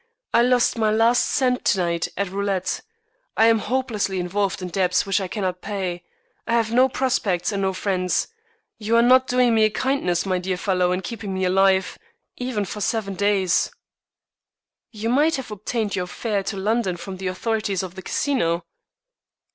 I lost my last cent to night at roulette. I am hopelessly involved in debts which I cannot pay. I have no prospects and no friends. You are not doing me a kindness, my dear fellow, in keeping me alive, even for seven days." "You might have obtained your fare to London from the authorities of the Casino?"